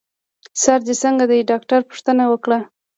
سر دي څنګه دی؟ ډاکټر پوښتنه وکړه.